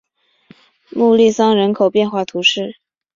穆利桑人口变化图示